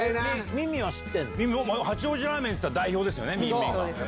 みんみんは、八王子ラーメンって言ったら代表ですよね、みんみんが。